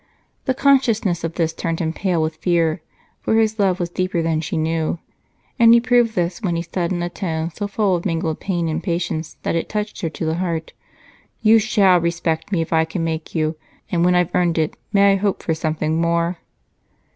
The consciousness of this turned him pale with fear, for his love was deeper than she knew, and he proved this when he said in a tone so full of mingled pain and patience that it touched her to the heart: "You shall respect me if I can make you, and when I've earned it, may I hope for something more?"